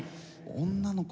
女の子。